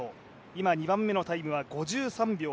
今、２番目のタイムが５３秒７２。